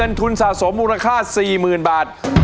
กรรทุนสะสมรุนค่า๔๐๐๐๐บาท